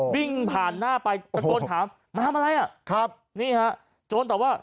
วิ่งผ่านหน้าไปตะโกนถามมาทำอะไรอ่ะครับนี่ฮะโจรตอบว่า